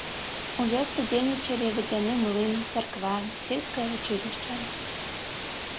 У вёсцы дзейнічалі вадзяны млын, царква, сельскае вучылішча.